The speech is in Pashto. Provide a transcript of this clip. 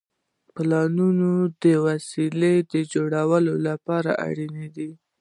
پلانونه د وسیلې د جوړولو لپاره اړین دي.